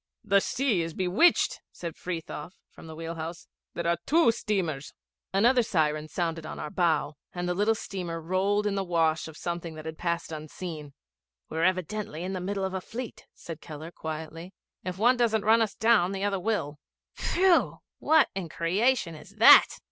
'The sea is bewitched,' said Frithiof from the wheel house. 'There are two steamers!' Another siren sounded on our bow, and the little steamer rolled in the wash of something that had passed unseen. 'We're evidently in the middle of a fleet,' said Keller quietly. 'If one doesn't run us down, the other will. Phew! What in creation is that?'